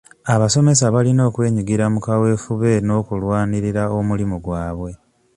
Abasomesa balina okwenyigira mu kawefube n'okulwanirira omulimu gwabwe.